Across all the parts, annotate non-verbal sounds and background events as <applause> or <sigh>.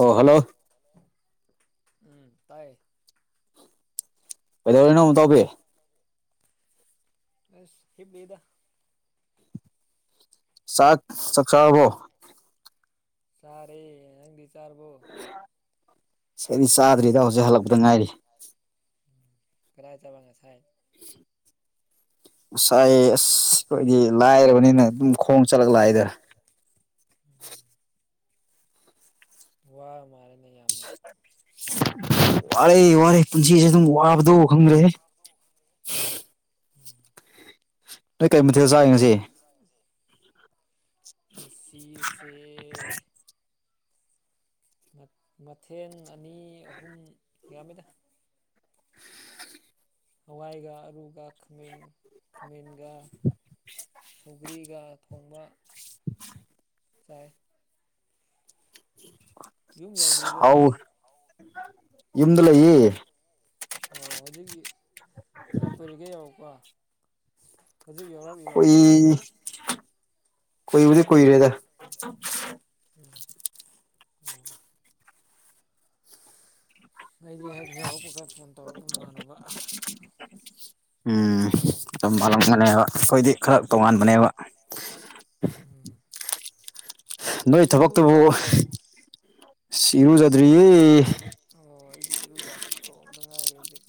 ꯑꯣ ꯍꯜꯂꯣ ꯎꯝ ꯇꯥꯏꯌꯦ ꯀꯩꯗꯧꯔꯤꯅꯣꯨꯛ ꯇꯧꯕꯤ ꯑꯁ ꯍꯞ ꯂꯩꯗ ꯆꯥꯛ ꯆ ꯆꯕꯣ ꯆꯥꯔꯦ ꯅꯪꯗꯤ ꯆꯥꯔꯕꯣ ꯑꯩꯗꯤ ꯆꯥꯗ꯭ꯔꯤꯗ ꯍꯧꯖꯤꯛ ꯍꯜꯂꯛꯄꯗ ꯉꯥꯏꯔꯤ꯫ ꯎꯝ ꯀꯔꯥꯏ ꯆꯠꯂꯦ ꯉꯁꯥꯏ꯫ <unintelligible> ꯉꯁꯥꯏ ꯑꯁ ꯑꯈꯣꯏꯗꯤ ꯂꯥꯏꯔꯕꯅꯤꯅ ꯑꯗꯨꯝ ꯈꯣꯡ ꯆꯠꯂ ꯂꯥꯛꯏꯗ꯫ ꯋꯥꯔ ꯃꯥꯜꯂꯦꯅꯦ ꯌꯥꯝꯅ꯫ <unintelligible> ꯋꯥꯔꯦ ꯋꯥꯔꯦ꯫ <unintelligible> ꯄꯨꯟꯁꯤꯁꯦ ꯑꯗꯨꯝ ꯋꯥꯕꯗꯣ ꯈꯪꯗ꯭ꯔꯦꯍꯦ ꯎꯝ꯫ ꯅꯣꯏ ꯀꯔꯤ ꯃꯊꯦꯜ ꯆꯥꯏꯔꯦ ꯉꯁꯤ꯫ <unintelligible> ꯉꯁꯤꯁꯤꯁꯦ ꯃꯊꯦꯟ ꯑꯅꯤ ꯑꯍꯨꯝ ꯌꯥꯝꯃꯤꯗ꯫ ꯍꯋꯥꯏꯒ ꯑꯂꯨꯒ ꯊꯣꯡ ꯊꯣꯡꯕ ꯁꯧꯒ꯭ꯔꯤꯒ ꯊꯣꯡꯕ <unintelligible> ꯆꯥꯏ <unintelligible> ꯌꯧꯗ꯭ꯔꯤꯕꯣ <unintelligible> ꯍꯥꯎ ꯅꯪꯗꯤ ꯌꯨꯝꯗ ꯂꯩꯕꯔꯣ꯫ ꯑꯣ ꯍꯧꯖꯤꯛꯀꯤ ꯀꯌꯥꯝ ꯀꯨꯏꯔꯒꯦ ꯌꯧꯔꯛꯄ꯫ ꯍꯧꯖꯤꯛ ꯌꯧꯔꯛꯂꯤꯔꯣ ꯑꯩ ꯀꯨꯢꯗꯤ ꯀꯨꯏꯔꯦꯗ꯫ ꯎꯝ꯫ ꯑꯣ꯫ ꯅꯒꯤ ꯍꯦꯛ ꯌꯥꯎꯔꯛꯄꯒ ꯐꯣꯟ ꯇꯧꯔꯛꯄ ꯃꯃꯅꯕ ꯎꯝ <unintelligible> ꯃꯥꯜꯂꯦꯕ ꯑꯩꯈꯣꯏꯗꯤ ꯈꯔ ꯇꯣꯉꯥꯟꯕꯅꯦꯕ꯫ ꯎꯝ꯫ ꯅꯣꯏ ꯊꯕꯛꯇꯨꯕꯨ ꯏꯔꯨꯖꯔꯕꯣ ꯏꯔꯨꯖꯗ꯭ꯔꯤꯌꯦ ꯑꯣ ꯑꯩꯗꯤ ꯏꯔꯨꯖꯥꯠꯇꯣ ꯑꯝꯇ ꯉꯥꯏꯔꯦ ꯍꯧꯖꯤꯛ꯫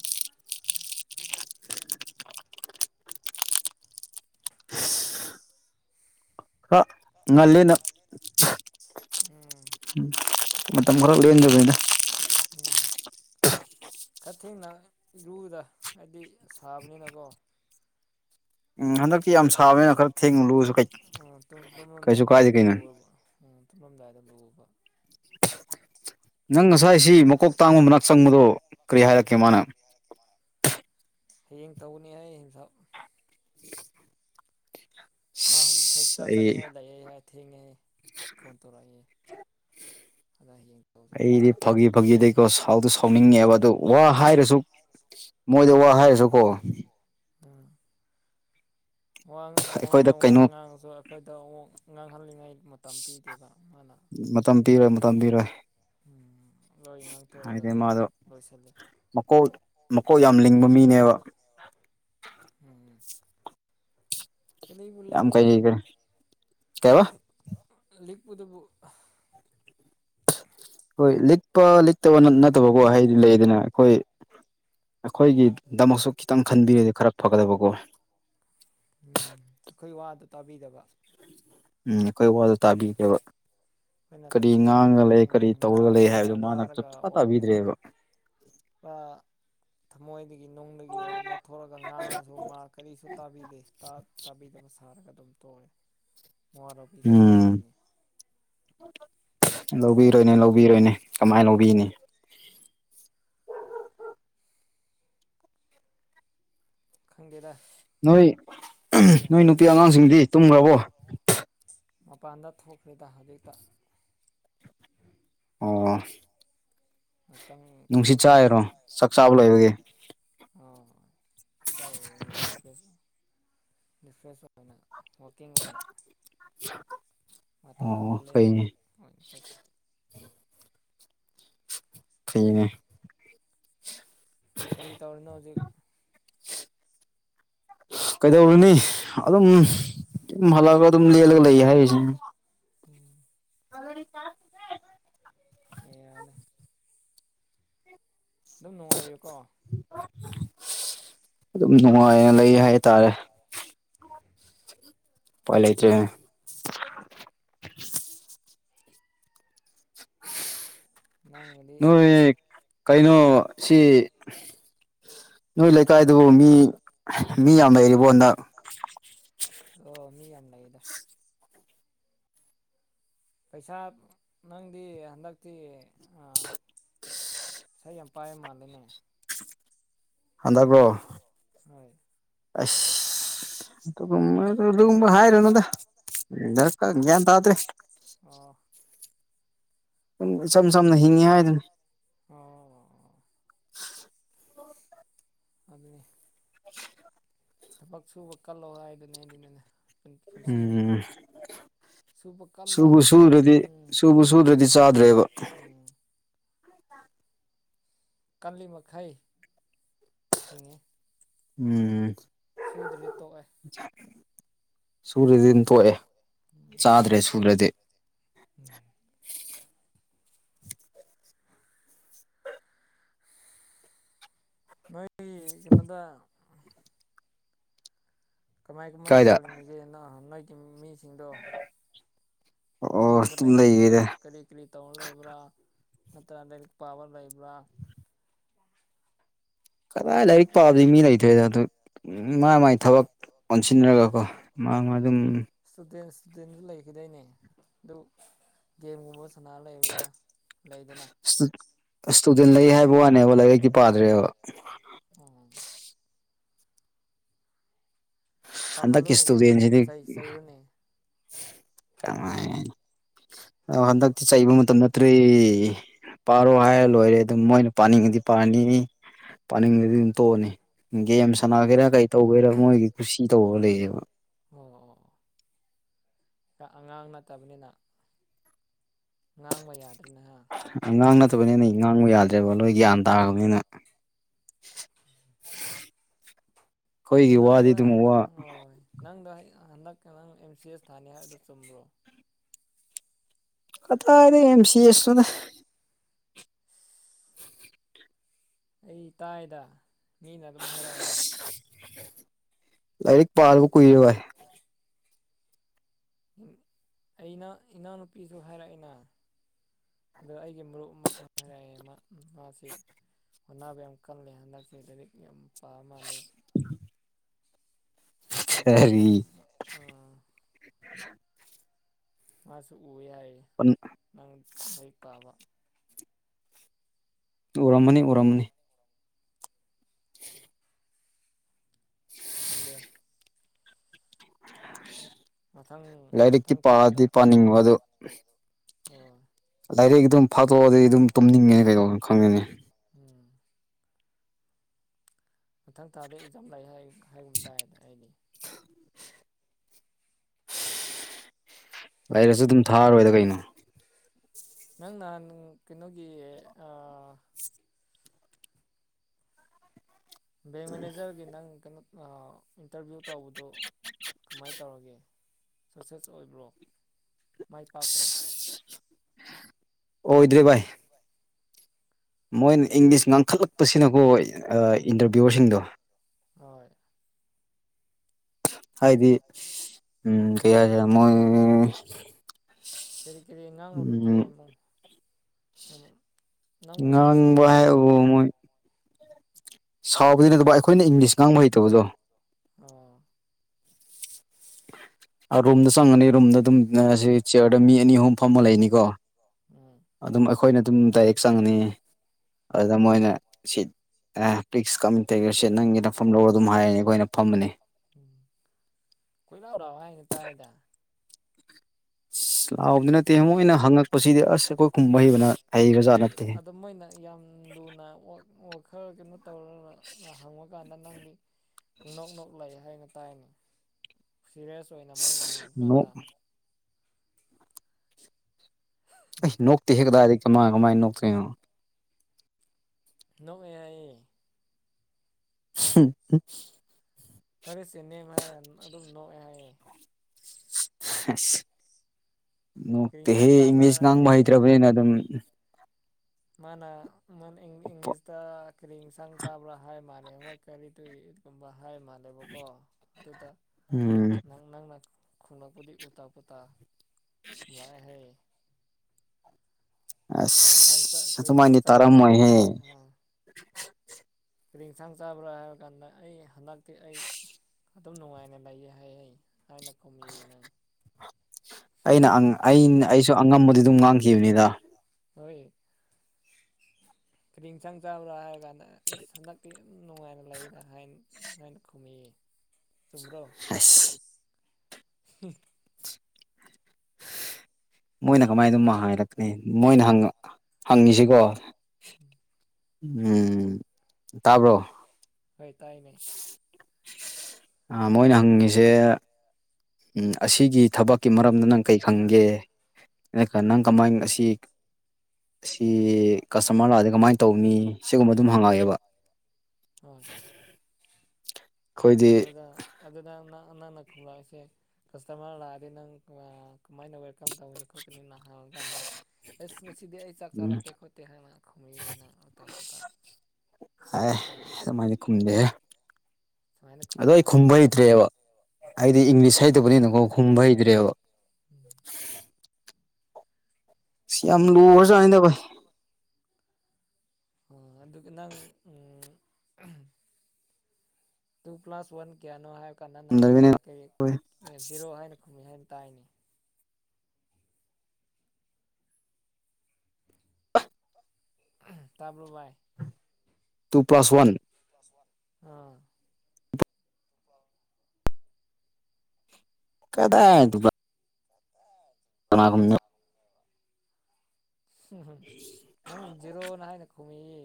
ꯈꯔ ꯉꯜꯂꯦ ꯏꯪ ꯅ ꯎꯝ <unintelligible> ꯎꯝ ꯃꯇꯝ ꯈꯔ <unintelligible> <unintelligible> ꯎꯝ꯫ ꯈꯔ ꯊꯦꯡꯅ ꯂꯨꯗ ꯍꯥꯏꯗꯤ ꯁꯥꯕꯅꯤꯅꯀꯣ ꯎꯝ ꯍꯟꯗꯛꯇꯤ ꯌꯥꯝ ꯁ ꯇꯨꯝ ꯀꯩꯁꯨ ꯇꯨꯃꯝꯗꯥꯏꯗ ꯀꯥꯏꯗꯦ ꯀꯩꯅꯣ ꯂꯨꯑꯣꯕ ꯎꯝ꯫ ꯇꯨꯃꯝꯗꯥꯏꯗꯝ ꯂꯨꯕ ꯅꯪ ꯉꯁꯥꯏꯁꯤ ꯃꯀꯣꯛ ꯇꯥꯡꯕ ꯃꯅꯥꯛ ꯆꯪꯕꯗꯣ ꯀꯔꯤ ꯍꯥꯏꯔꯛꯀꯦ ꯃꯥꯅ꯫ ꯍꯌꯦꯡ ꯇꯧꯅꯤ ꯍꯥꯏꯌꯦ ꯍꯤꯡꯁꯥꯞ꯫ <unintelligible> ꯃꯥ ꯍꯧꯖꯤꯛ ꯑꯁ ꯍꯣꯁꯄꯤꯇꯥꯜ ꯑꯩ ꯆꯠꯅꯤꯡꯉꯥꯏ ꯂꯩꯑꯦ ꯍꯥꯏ ꯊꯦꯡꯉꯦ ꯐꯣꯟ ꯇꯧꯔꯛꯑꯦ꯫ <unintelligible> ꯑꯩꯗꯤ ꯐꯥꯒꯤ ꯐꯥꯒꯤꯗꯩꯀꯣ ꯁꯥꯎꯗꯣ ꯁꯥꯎꯅꯤꯡꯉꯦꯕ ꯑꯗꯨ ꯋꯥ ꯍꯥꯏꯔꯁꯨ ꯃꯣꯏꯗ ꯋꯥ ꯍꯥꯏꯔꯁꯨꯀꯣ ꯎꯝ꯫ ꯋꯥ ꯑꯩꯈꯣꯏꯗ ꯃꯉꯣꯟꯗ ꯋꯥ ꯀꯩꯅꯣ ꯉꯥꯡꯉꯁꯨ ꯑꯩꯈꯣꯏꯗ ꯉꯥꯡꯍꯜꯂꯤꯉꯥꯏ ꯃꯇꯝ ꯄꯤꯗꯦꯕ ꯃꯥꯅ꯫ ꯃꯇꯝ ꯄꯤꯔꯣꯏ ꯃꯇꯝ ꯄꯤꯔꯣꯏ꯫ ꯎꯝ ꯂꯣꯏ ꯉꯥꯡꯇꯣꯛꯔꯒ ꯍꯥꯏꯗꯤ ꯑꯗꯨꯝ ꯃꯥꯗꯣ ꯂꯣꯏꯁꯤꯜꯂꯦ꯫ ꯃꯀꯣꯛ ꯃꯀꯣꯛ ꯌꯥꯝ ꯂꯤꯡꯕ ꯃꯤꯅꯦꯕ꯫ ꯎꯝ꯫ ꯌꯥꯝ ꯀꯩ ꯀꯩ ꯀꯩꯕ <unintelligible> ꯂꯩꯔꯛꯄꯗꯨꯕꯨ ꯍꯣꯏ ꯂꯤꯛꯄ ꯂꯤꯛꯇꯕ ꯅꯠꯇꯕꯀꯣ ꯂꯤꯛꯃꯟꯕꯒꯤ ꯍꯥꯏꯗꯤ ꯂꯩꯗꯅ ꯑꯩꯈꯣꯏ ꯑꯩꯈꯣꯏꯒꯤ ꯗꯃꯛꯁꯨ ꯈꯤꯇꯪ ꯈꯟꯕꯤꯔꯗꯤ ꯈꯔ ꯐꯒꯗꯕꯀꯣ꯫ ꯎꯝ ꯑꯩꯈꯣꯏ ꯋꯥꯗꯣ ꯇꯥꯕꯤꯗꯕ꯫ ꯎꯝ ꯑꯩꯈꯣꯏ ꯋꯥꯗꯣ ꯇꯥꯕꯤꯒꯦꯕ ꯑꯩꯈꯣꯏꯅ ꯀꯔꯤ ꯀꯩꯁꯨ ꯉꯥꯡꯉ ꯂꯩ ꯀꯔꯤ ꯇꯧꯔꯒ ꯂꯩ ꯉꯥꯡꯂꯒ ꯍꯥꯏꯕꯗꯨꯣ ꯃꯥꯅ ꯆꯞ ꯋꯥꯔꯒ ꯆꯥ ꯇꯥꯕꯤꯗ꯭ꯔꯦꯕ <unintelligible> ꯊꯃꯣꯏꯗꯒꯤ ꯅꯨꯡꯗꯒꯤ ꯅꯣꯊꯣꯛꯔꯒ ꯉꯥꯡꯉꯁꯨ ꯃꯥ ꯀꯔꯤꯁꯨ ꯇꯥꯕꯤꯗꯦ ꯇꯥꯕꯤꯗꯕ ꯁꯥꯔꯒ ꯑꯗꯨꯝ ꯇꯣꯛꯑꯦ ꯃꯔꯧꯕꯤꯗꯦꯕ ꯑꯗꯨ ꯎꯝ ꯑꯣꯏꯅꯤ ꯂꯧꯕꯤꯔꯣꯏꯅꯦ ꯂꯧꯕꯤꯔꯣꯏꯅꯦ ꯀꯃꯥꯏꯅ ꯂꯧꯕꯤꯅꯤ <unintelligible> ꯈꯪꯗꯦꯗ ꯅꯣꯏ ꯀꯔꯤ ꯅꯣꯏ ꯅꯨꯄꯤ ꯍꯥꯏꯔꯨꯅꯤ ꯑꯉꯥꯡꯁꯤꯡꯗꯤ ꯇꯨꯝꯈ꯭ꯔꯕꯣ ꯃꯄꯥꯟꯗ ꯊꯣꯛꯈ꯭ꯔꯦꯗ ꯍꯧꯖꯤꯛꯇ ꯑꯣ ꯉꯛꯇꯪ ꯅꯨꯡꯁꯤꯠ ꯀꯣꯏꯕ ꯆꯥꯏꯔꯣ ꯑꯣꯏꯅꯥ ꯆꯥꯛ ꯆꯥꯕ ꯂꯣꯏꯕꯒꯤ <unintelligible> ꯑꯩꯈꯣꯏꯅ ꯋꯥꯛꯀꯤꯡ ꯑꯣꯏꯅ ꯃꯇꯝ ꯑꯣ ꯈꯔ ꯂꯦꯟꯕꯒꯤ ꯐꯩꯅꯦ <unintelligible> <unintelligible> ꯀꯔꯤ ꯇꯧꯔꯤꯅꯣ ꯍꯧꯖꯤꯛ <unintelligible> ꯀꯩꯗꯧꯔꯨꯅꯤ ꯑꯗꯨꯝ ꯍꯜꯂꯛꯑꯒ ꯑꯗꯨꯝ ꯂꯦꯜꯂꯒ ꯂꯩ ꯍꯥꯏꯔꯤꯁꯤ ꯎꯝ <unintelligible> <unintelligible> ꯑꯗꯨꯝ ꯅꯨꯡꯉꯥꯏꯌꯨꯀꯣ ꯑꯗꯨꯝ ꯅꯨꯡꯉꯥꯏꯅ ꯂꯩ ꯍꯥꯏꯇꯥꯔꯦ ꯎꯄꯥꯏ ꯂꯩꯇꯔꯦ ꯅꯪꯒꯗꯤ ꯅꯣꯏ ꯀꯩꯅꯣ ꯁꯤ ꯅꯣꯏ ꯂꯩꯀꯥꯏꯗꯨꯕꯨ ꯃꯤ ꯃꯤ ꯌꯥꯝ ꯂꯩꯔꯤꯕꯣ ꯑꯣ ꯃꯤ ꯌꯥꯝ ꯂꯩꯌꯦꯗ ꯄꯩꯁꯥ ꯅꯪꯗꯤ ꯍꯟꯗꯛꯇꯤ ꯑꯥ ꯄꯩꯁꯥ ꯌꯥꯝ ꯄꯥꯏꯕ ꯃꯜꯂꯦꯅꯦ ꯍꯟꯗꯕ꯭ꯔꯣ ꯍꯣꯏ ꯑꯁ ꯑꯗꯨꯒꯨꯝꯕ ꯑꯗꯨꯒꯨꯝꯕ ꯍꯥꯏꯔꯨꯅꯨꯗ ꯒ꯭ꯌꯥꯟ ꯇꯥꯗ꯭ꯔꯦ ꯑꯣ <unintelligible> ꯍꯥꯏꯗꯨꯅꯤ ꯑꯣ ꯑꯗꯨꯅꯦ ꯊꯕꯛ ꯁꯨꯕ ꯀꯜꯂꯣ ꯍꯥꯏꯗꯨꯅꯦ ꯑꯗꯨꯅꯅꯦ ꯄꯨꯟꯁꯤꯗꯤ ꯎꯝ ꯁꯨꯕ ꯀꯟꯕ ꯁꯨꯕꯨ ꯁꯨꯗ꯭ꯔꯗꯤ ꯎꯝ ꯁꯨꯕꯨ ꯎꯝ ꯁꯨꯗ꯭ꯔꯗꯤ ꯆꯥꯗ꯭ꯔꯦꯕ ꯎꯝ ꯀꯜꯂꯤꯃꯈꯥꯏ ꯍꯤꯡꯉꯦ ꯎꯝ ꯁꯨꯗꯔꯦ ꯇꯣꯛꯑꯦ ꯁꯨꯔꯥꯗꯤꯟ ꯇꯣꯛꯑꯦ ꯎꯝ ꯆꯥꯗ꯭ꯔꯦ ꯁꯨꯔ꯭ꯔꯗꯤ <unintelligible> ꯅꯣꯏꯒꯤ ꯀꯩꯅꯣꯗꯥ ꯀꯃꯥꯏ ꯀꯃꯥꯏ ꯀꯥꯏꯗ <unintelligible> ꯃꯤꯁꯤꯡꯗꯣ ꯑꯣ ꯅꯣꯏꯌꯨꯝꯗ ꯑꯗꯨꯝ ꯂꯩꯕꯁꯤꯡꯗꯣ ꯂꯩꯌꯦꯗ ꯀꯔꯤ ꯀ꯭ꯔꯤ ꯇꯧꯔ ꯂꯩꯕ꯭ꯔꯥ ꯅꯠꯇ꯭ꯔꯒ ꯂꯩꯔꯤꯛ ꯄꯥꯕ ꯂꯩꯕ꯭ꯔꯥ ꯀꯗꯥꯏ ꯂꯥꯏꯔꯤꯛ ꯄꯥꯕꯗꯤ ꯃꯤ ꯂꯩꯇꯦꯗ ꯑꯗꯨ ꯃꯥꯏ ꯃꯥꯏ ꯊꯕꯛ ꯑꯣꯟꯁꯤꯟꯅꯔꯒꯀꯣ ꯃꯥ ꯑꯗꯨꯝ ꯏꯁꯇꯨꯗꯦꯟ ꯏꯁꯇꯨꯗꯦꯟꯗꯨ ꯂꯩꯈꯤꯗꯣꯏꯅꯦ ꯑꯗꯨ ꯒꯦꯝꯒꯨꯝꯕ ꯁꯥꯟꯔ ꯂꯩꯕ꯭ꯔꯥ ꯂꯩꯗꯅ ꯏꯁꯇꯨꯗꯦꯟ ꯂꯩ ꯍꯥꯏꯕ ꯋꯥꯅꯦꯕ ꯂꯥꯏꯔꯤꯛꯇꯤ ꯄꯥꯗ꯭ꯔꯦꯕ <unintelligible> ꯎꯝ ꯍꯟꯗꯛꯀꯤ ꯄꯥꯍꯜꯂꯨꯅꯦ ꯀꯩꯅꯣꯅꯦ ꯏꯁꯇꯨꯗꯦꯟꯁꯤꯗꯤ ꯆꯩ ꯆꯩꯔꯨꯅꯦ ꯀꯃꯥꯏꯅꯥ ꯑꯣ ꯍꯟꯗꯛꯇꯤ ꯆꯩꯕ ꯃꯇꯝ ꯅꯠꯇ꯭ꯔꯦ ꯄꯥꯔꯣ ꯍꯥꯏꯔ ꯂꯣꯏꯔꯦ ꯑꯗꯨꯝ ꯃꯣꯏꯅ ꯄꯥꯅꯤꯡꯉꯗꯤ ꯄꯥꯔꯅꯤ ꯄꯥꯅꯤꯡꯗꯥꯗꯤ ꯑꯗꯨꯝ ꯇꯣꯛꯑꯅꯤ ꯒꯦꯝ ꯑꯣ ꯁꯥꯟꯅꯥꯒꯦꯔꯥ ꯀꯩ ꯇꯧꯒꯦꯔꯥ ꯃꯣꯏꯒꯤ ꯀꯨꯁꯤ ꯇꯧꯔ ꯂꯩꯌꯦꯕ ꯑꯣ ꯑꯣ ꯑꯉꯥꯡ ꯅꯠꯇꯕꯅꯤꯅ ꯉꯥꯡꯕ ꯌꯥꯗ꯭ꯔꯦꯅꯦ ꯍꯥ ꯑꯉꯥꯡ ꯅꯠꯇꯕꯅꯤ ꯅ ꯉꯥꯡꯕ ꯌꯥꯗ꯭ꯔꯦꯕ ꯂꯣꯏ ꯒ꯭ꯌꯥꯟ ꯇꯥꯔꯕꯅꯤꯅ <unintelligible> ꯑꯗꯣ ꯑꯩꯈꯣꯏꯒꯤ ꯅꯪꯗꯣ ꯋꯥꯗꯤ ꯑꯗꯨꯝ ꯍꯟꯗꯛ ꯋꯥ ꯍꯣꯏ ꯅꯪꯗꯣ ꯍꯟꯗꯛ ꯅꯪ ꯑꯦꯝ ꯁꯤ ꯑꯦꯁ ꯊꯥꯅꯤ ꯍꯥꯏꯕꯗꯨ ꯆꯨꯝꯕ꯭ꯔꯣ ꯀꯗꯥꯥꯏꯗꯩ ꯑꯦꯝ ꯁꯤ ꯑꯦꯁꯅꯣꯗ ꯑꯩ ꯇꯥꯏꯥꯏꯗ ꯃꯤꯅ ꯑꯗꯨꯝ ꯍꯥꯏꯔꯛꯑꯦꯗ ꯂꯥꯏꯔꯤꯛ ꯄꯥꯔꯕ ꯀꯨꯏꯔꯕꯥꯏ ꯑꯩꯅ ꯏꯅꯥꯎꯅꯨꯄꯤꯁꯨ ꯍꯥꯏꯔꯛꯑꯦꯅ ꯑꯗꯣ ꯑꯩꯒꯤ ꯃꯔꯨꯞ ꯑꯃꯁꯨ ꯍꯥꯏꯔꯛꯑꯦ ꯃꯥ ꯃꯥꯁꯤ ꯍꯣꯠꯅꯕꯥ ꯌꯥꯝ ꯀꯜꯂꯦ ꯍꯟꯗꯛꯁꯦ ꯂꯥꯏꯔꯤꯛ ꯌꯥꯝ ꯄꯥ ꯃꯥꯜꯂꯦ ꯑꯩꯖꯨ ꯀꯔꯤ ꯎꯝ ꯃꯁꯨ ꯎꯌꯦ ꯍꯥꯏ <unintelligible> ꯅꯪ ꯂꯥꯏꯔꯤꯛ ꯄꯥꯕ ꯎꯔꯝꯃꯅꯤ ꯎꯔꯝꯃꯅꯤ ꯈꯪꯗꯦ <unintelligible> ꯃꯊꯪ ꯂꯥꯏꯔꯤꯛꯇꯤ ꯃꯊꯪ ꯊꯥꯗ ꯄꯥꯗꯤ ꯑꯥ ꯄꯥꯅꯤꯡꯕ ꯑꯗꯨ ꯑꯣ ꯂꯥꯏꯔꯤꯛ ꯑꯗꯨꯝ ꯐꯥꯠꯇꯣꯛꯑꯗꯤ ꯑꯗꯨꯝ ꯇꯨꯝꯅꯤꯡꯉꯦꯅꯤ ꯀꯩꯒꯤꯅꯣ ꯈꯪꯗꯦꯅꯤ ꯎꯝ ꯃꯊꯪ ꯊꯥꯗ ꯑꯦꯛꯖꯥꯝ ꯂꯩ ꯍꯥꯏꯕꯨꯝ ꯇꯥꯏꯗ ꯑꯩꯗꯤ ꯂꯩꯔꯁꯨ ꯑꯗꯨꯝ ꯊꯥꯔꯣꯏꯗ ꯀꯩꯅꯣ ꯅꯪꯅ ꯀꯩꯅꯣꯒꯤ ꯕꯦꯡ ꯃꯦꯅꯦꯖꯔꯒꯤ ꯅꯪ ꯀꯩꯅꯣ ꯏꯟꯇꯔꯚꯤꯌꯨ ꯇꯧꯕꯗꯨ ꯀꯃꯥꯏꯅ ꯇꯧ ꯇꯧꯔꯒꯦ ꯁꯛꯁꯦꯁ ꯑꯣꯏꯕ꯭ꯔꯣ ꯃꯥꯏ ꯄꯥꯛꯄ꯭ꯔꯣ ꯑꯣꯏꯗ꯭ꯔꯦꯚꯥꯏ ꯃꯣꯏꯅ ꯀꯔꯤ ꯏꯪꯂꯤꯁ ꯉꯥꯡꯈꯠꯂꯛꯄꯁꯤꯅꯀꯣ ꯏꯟꯇꯔꯚꯤꯌꯔꯁꯤꯡꯗꯣ ꯍꯣꯏ ꯍꯥꯏꯗꯤ ꯎꯝ ꯀꯩ ꯍꯥꯏꯁꯦ ꯃꯣꯏ ꯀꯔꯤ ꯀꯔꯤꯅꯥ ꯎꯝ <unintelligible> ꯅꯪꯕꯨ ꯌꯥꯝ ꯁꯥꯎꯋꯦ ꯉꯥꯡꯕ ꯍꯥꯏꯅꯦ ꯍꯥꯏꯕꯕꯨ ꯁꯥꯎꯕꯒꯤ ꯑꯗꯨꯕꯥ ꯑꯩꯈꯣꯏꯅ ꯏꯪꯂꯤꯁ ꯉꯥꯡꯕ ꯍꯩꯇꯕꯗꯣ ꯑ ꯔꯨꯝꯗ ꯆꯪꯉꯅꯤ ꯔꯨꯝꯗ ꯑꯗꯨꯝ ꯁꯤ ꯆꯤꯌꯔꯗ ꯃꯤ ꯑꯅꯤ ꯑꯍꯨꯝ ꯐꯝꯃ ꯂꯩꯅꯤꯀꯣ ꯎꯝ ꯑꯗꯨꯝ ꯑꯩꯈꯣꯏꯅ ꯑꯗꯨꯝ ꯗꯥꯏꯔꯦꯛ ꯆꯪꯉꯅꯤ ꯑꯗꯨꯗ ꯃꯣꯏꯅ ꯁꯤꯠ ꯑꯦ ꯄ꯭ꯛꯁ ꯀꯁꯦ ꯅꯪꯒꯤꯅꯐꯝ ꯂꯧꯔꯒ ꯑꯗꯨꯝ ꯍꯥꯏꯔꯅꯤ ꯑꯩꯈꯣꯏꯅ ꯐꯝꯕꯅꯦ ꯎꯝ ꯀꯣꯏꯔꯥꯎ ꯂꯥꯎ ꯍꯥꯏꯅ ꯇꯥꯏꯗ ꯑꯁ ꯂꯥꯛꯕꯗꯤ ꯅꯠꯇꯦ ꯃꯣꯏꯅ ꯍꯪꯉꯛꯄꯁꯤꯗꯤ ꯑꯁ ꯑꯩꯈꯣꯏ ꯈꯨꯝꯕ ꯍꯩꯕꯅ ꯍꯩꯕꯖꯥꯠ ꯅꯠꯇꯦ ꯑꯗꯨ ꯃꯣꯏꯅ ꯌꯥꯝ ꯂꯨꯅ ꯈꯔ ꯀꯩꯅꯣ ꯇꯧꯔꯒ ꯍꯪꯉꯣꯏ ꯀꯥꯟꯗ ꯅꯪꯗꯤ ꯄꯨꯡꯅꯣꯛ ꯅꯣꯛ ꯂꯩ ꯍꯥꯏꯅ ꯇꯥꯏꯅꯦ ꯁꯤꯔꯦꯁ ꯑꯣꯏꯅ ꯃꯣꯏꯅ ꯅꯣꯛ ꯍꯪꯂꯛꯀꯥꯟꯗ ꯑꯁ ꯅꯣꯛꯇꯦꯍꯦ ꯀꯗꯥꯏꯗꯩꯩ ꯀꯃꯥꯏ ꯀꯃꯥꯏ ꯅꯣꯛꯇꯣꯏꯅꯣ ꯅꯣꯛꯑꯦ ꯍꯥꯏꯌꯦ ꯍꯨꯝ ꯍ ꯍ꯭ꯋꯥꯠ ꯏꯁ ꯏꯌꯣꯔ ꯅꯦꯝ ꯍꯥꯏꯔ ꯑꯗꯨꯝ ꯅꯣꯛꯑꯦ ꯍꯥꯏꯌꯦ ꯑꯁ ꯀꯔꯤ ꯏꯟꯁꯥꯡ ꯅꯣꯛꯇꯦꯍꯦ ꯆꯥꯕ꯭ꯔꯥ ꯏꯪꯂꯤꯁ ꯍꯥꯏꯔꯒ ꯉꯥꯡꯕ ꯍꯩꯇ꯭ꯔꯕꯅꯤꯅ ꯑꯗꯨꯝ ꯃꯥꯅ ꯃꯥꯅ ꯏꯪꯂꯤꯁꯇ ꯀꯔꯤ ꯏꯟꯁꯥꯡ ꯆꯥꯕ꯭ꯔꯥ ꯍꯥꯏ ꯃꯥꯜꯂꯦ ꯍꯣꯏ ꯀꯔꯤ ꯗꯨ ꯌꯨ ꯏꯠꯀꯨꯝꯕ ꯍꯥꯏꯕ ꯃꯥꯜꯂꯦꯕꯀꯣ ꯑꯗꯨꯗ ꯎꯝ ꯅꯪ ꯅꯪꯅ ꯈꯨꯝꯂꯛꯄꯗꯤ ꯎꯜꯇꯥ ꯄꯨꯇꯥ ꯈꯨꯝꯂꯛꯑꯦ ꯍꯥꯏꯌꯦ ꯀꯔꯤ ꯏꯟꯁꯥꯡ ꯆꯥ ꯑꯁ ꯀꯔꯤ ꯏꯟꯁꯥꯡ ꯑꯗꯨꯃꯥꯏꯅꯗꯤ ꯆꯥꯕ꯭ꯔꯥ ꯇꯥꯔꯝꯃꯣꯏꯍꯦ ꯀ꯭ꯔꯤ ꯏꯟꯁꯥꯡ ꯆꯥꯕ꯭ꯔꯥ ꯍꯥꯏꯕ ꯀꯥꯟꯗ ꯑꯩ ꯍꯟꯗꯛꯇꯤ ꯑꯩ ꯑꯗꯨꯝ ꯅꯨꯡꯉꯥꯏꯅ ꯂꯩꯌꯦ ꯍꯥꯏꯌꯦ ꯍꯥꯏꯅ ꯈꯨꯝꯃꯤꯌꯦ ꯅꯪ ꯑꯩꯅ ꯑꯩꯅ ꯑꯩꯁꯨ ꯑꯉꯝꯕꯗꯤ ꯑꯗꯨꯝ ꯉꯥꯡꯈꯤꯕꯅꯤꯗ ꯍꯣꯏ <inaudible> ꯀ꯭ꯔꯤ ꯏꯟꯁꯥꯡ ꯆꯥꯕ꯭ꯔꯥ ꯍꯥꯏꯔ ꯀꯥꯟꯗ ꯑꯁ ꯍꯟꯗꯛꯇꯤ ꯌꯥꯝ ꯅꯨꯡꯉꯥꯏꯅ ꯂꯩꯗ ꯍꯥꯏꯅ ꯅꯪꯅ ꯈꯨꯃꯛꯑꯦꯌꯦ ꯆꯨꯝꯕ꯭ꯔꯣ ꯑꯁ ꯃꯣꯏꯅ ꯀꯃꯥꯏꯅ ꯑꯗꯨꯝ ꯍꯥꯏꯔꯛꯀꯅꯤ ꯃꯣꯏꯅ ꯍꯪꯉꯤꯁꯤꯀꯣ ꯎꯝ ꯇꯥꯕ꯭ꯔꯣ ꯍꯣꯏ ꯇꯥꯏꯅꯦ ꯑ ꯃꯣꯏꯅ ꯍꯪꯉꯤꯁꯦ ꯑꯁꯤꯒꯤ ꯊꯕꯛꯀꯤ ꯃꯔꯝꯗ ꯅꯪ ꯀꯩ ꯈꯪꯒꯦ ꯅꯪ ꯀꯅ ꯀꯃꯥꯏ ꯑꯁꯤ ꯑꯁꯤ ꯀꯁꯇꯃꯔ ꯂꯥꯛꯑꯗꯤ ꯀꯃꯥꯏꯅ ꯇꯧꯅꯤ ꯁꯤꯒꯨꯝꯕ ꯑꯗꯨꯝ ꯍꯪꯉꯛꯑꯦꯕ ꯍꯣꯏ ꯑꯩꯈꯣꯏꯗꯤ ꯑꯗꯨꯗ ꯑꯗꯨꯗ ꯅꯪꯅ ꯈꯨꯝꯂꯛꯏꯁꯦ ꯀꯁꯇꯃꯔ ꯂꯥꯛꯑꯗꯤ ꯅꯪ ꯀꯃꯥꯏꯅ ꯋꯦꯜꯀꯝ ꯇꯧꯅꯤ ꯈꯣꯠꯀꯅꯤꯅ ꯍꯪꯉꯀꯥꯟꯗ ꯍꯦꯁ ꯉꯁꯤꯗꯤ ꯑꯩ ꯆꯥꯛ ꯎꯝ ꯆꯥꯔꯛꯇꯦ ꯈꯣꯠꯇꯦ ꯍꯥꯏꯅ ꯈꯨꯝꯃꯦꯌꯦ ꯅꯪ ꯑꯇꯣꯞꯄꯗ ꯑꯦ ꯑꯣꯟꯅ ꯇꯩꯅ ꯑꯗꯨꯃꯥꯏꯅ ꯈꯨꯝꯗꯦꯍꯦ ꯁꯨꯃꯥꯏꯅ ꯑꯗꯣ ꯈꯨꯝꯃꯦꯅ ꯑꯩ ꯍꯥꯏꯅ ꯈꯨꯝꯕ ꯍꯥꯏ ꯍꯩꯇ꯭ꯔꯦꯕ ꯑꯩꯗꯤ ꯏꯪꯂꯤꯁ ꯍꯩꯇꯕꯅꯤꯅꯀꯣ ꯈꯨꯝꯕ ꯍꯩꯇ꯭ꯔꯦꯕ ꯎꯝ ꯌꯥꯝ ꯀꯥꯏꯗꯤ ꯂꯨꯨꯒ꯭ꯔꯖꯥꯅꯤꯗ ꯕꯥꯏ ꯑꯣ ꯑꯗꯨꯒ ꯅꯪ ꯎꯪ ꯇꯨ ꯄ꯭ꯂꯁ ꯋꯥꯟ ꯀꯌꯥꯅꯣ ꯍꯥꯏꯔ ꯀꯥꯟꯗ ꯅꯪ ꯈꯨꯝꯗꯕꯅꯤꯅ ꯀꯔꯤ ꯀꯔꯤ ꯖꯤꯔꯣ ꯍꯥꯏꯅ ꯈꯨꯝꯃꯤ ꯍꯥꯏꯅ ꯇꯥꯏꯅꯦ ꯇꯥꯔꯕ꯭ꯔꯣ ꯕꯥꯏ ꯇꯨ ꯄ꯭ꯂꯁ ꯋꯥꯟ ꯑꯥ ꯀꯗꯥꯏꯗꯨꯕꯥ <unintelligible> ꯀꯅꯥꯒꯨꯝ <inaudible> ꯍꯨꯝ ꯍꯨꯝ ꯅꯪ ꯖꯦꯔꯣꯅ ꯍꯥꯏꯅ ꯈꯨꯝꯃꯦꯌꯦ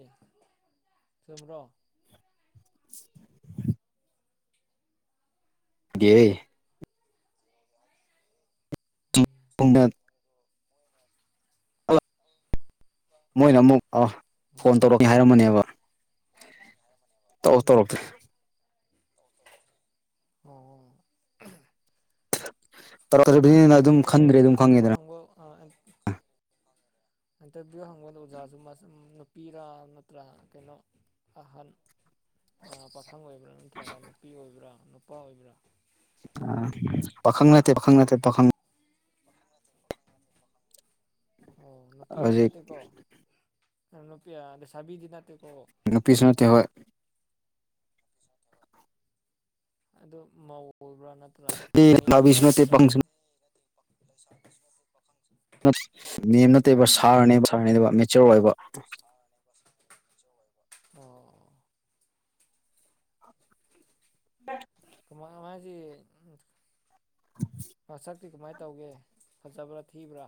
ꯆꯨꯝꯕ꯭ꯔꯣ ꯗꯦꯍꯦ ꯎꯝ ꯍꯨꯡꯗꯠ ꯑꯣ ꯃꯣꯏꯅ ꯑꯃꯨꯛ ꯑ ꯐꯣꯟ ꯇꯧꯔꯛꯅꯤ ꯍꯥꯏꯔꯝꯕꯅꯦꯕ ꯇꯧꯖꯨ ꯇꯧꯔꯛꯇ꯭ꯔꯦ ꯑꯣ ꯑꯣ ꯇꯧꯔꯛꯇ꯭ꯔꯗꯤꯅꯤꯅ ꯑꯗꯨꯝ ꯈꯟꯗ꯭ꯔꯦ ꯑꯗꯨꯝ ꯈꯪꯉꯦꯗꯅ ꯅꯣꯡꯕꯨ <unintelligible> ꯏꯟꯇꯔꯚꯤꯌꯨ ꯍꯪꯕꯗ ꯑꯣꯖꯥꯁꯨ ꯅꯨꯄꯤꯔꯥ ꯅꯠꯇ꯭ꯔꯥ ꯀꯩꯅꯣ ꯑꯍꯟ ꯄꯥꯈꯪ ꯑꯣꯏꯕ꯭ꯔꯥ ꯅꯠꯇ꯭ꯔꯒ ꯅꯨꯄꯤ ꯑꯣꯏꯕ꯭ꯔꯥ ꯅꯨꯄꯥ ꯑꯣꯏꯕ꯭ꯔꯥ ꯑ ꯄꯈꯪ ꯅꯠꯇꯦ ꯄꯈꯪ ꯅꯠꯇꯦ ꯄꯈꯪ ꯑꯣ ꯅꯨꯄꯤꯗꯤ ꯍꯧꯖꯤꯛ ꯅꯠꯇꯦꯀꯣ ꯅꯨꯄꯤ ꯂꯩꯁꯥꯕꯤꯗꯤ ꯅꯠꯇꯦꯀꯣ ꯅꯨꯄꯤꯁꯤꯡꯠꯇ ꯍꯣꯏ ꯁꯥ ꯑꯗꯨ ꯃꯧꯕ꯭ꯔꯥ ꯅꯠꯇ꯭ꯔꯥ ꯃꯦꯝꯕ꯭ꯔꯥ ꯂꯥꯕꯤꯁꯨ ꯅꯠꯇꯦ ꯅꯠꯇ꯭ꯔꯒ ꯄꯥꯈꯪꯁꯨ ꯄ ꯂ ꯁ ꯀꯈ ꯃꯦꯝ ꯅꯠꯇꯦꯕ ꯁꯥꯔꯅꯦꯕ ꯁꯥꯔꯅꯦꯕ ꯃꯦꯆꯣꯔ ꯑꯣꯏꯕ ꯑꯣ ꯎ ꯃꯥ ꯃꯥꯒꯤ ꯁꯛꯇꯤ ꯀꯃꯥꯏꯅ ꯇꯧꯒꯦ ꯐꯖꯕ꯭ꯔꯥ ꯊꯤꯕ꯭ꯔꯥ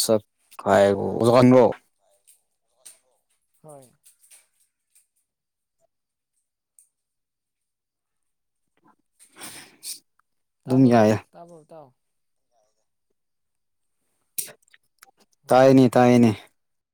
ꯁ ꯈꯌꯦꯒꯣ ꯖꯥꯟꯕꯨꯣ ꯇꯥꯏꯕꯨꯁꯣ ꯍꯣꯏ <unintelligible> ꯇꯥꯕ ꯍꯥꯏ ꯌꯥꯏꯌꯦ ꯇꯥꯕꯣ ꯇꯥꯎ ꯇꯥꯏꯅꯤ ꯑꯣ ꯇꯥꯏꯅꯤ